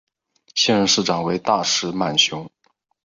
现任市长为大石满雄。